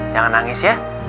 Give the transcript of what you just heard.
jangan nangis ya